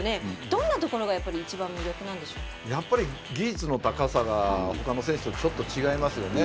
どんなところがやっぱり技術の高さが他の選手とちょっと違いますよね。